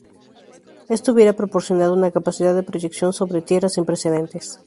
Esto hubiera proporcionado una capacidad de proyección sobre tierra sin precedentes.